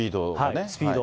スピード。